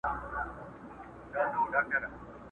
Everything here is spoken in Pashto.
او په کلي کي مېلمه یې پر خپل کور کړي٫